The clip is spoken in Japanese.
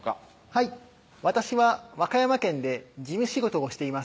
はい私は和歌山県で事務仕事をしています